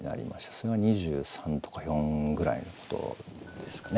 それが２３とか４ぐらいのことですかね。